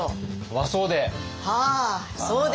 和装で。